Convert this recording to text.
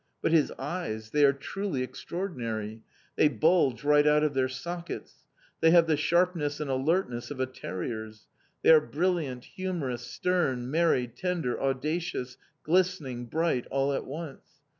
But his eyes! They are truly extraordinary! They bulge right out of their sockets. They have the sharpness and alertness of a terrier's. They are brilliant, humorous, stern, merry, tender, audacious, glistening, bright, all at once.